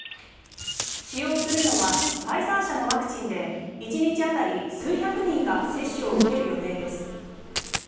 使用するのはファイザー社のワクチンで１日当たり数百人が接種を受ける予定です。